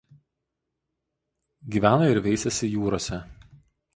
Gyvena ir veisiasi jūrose.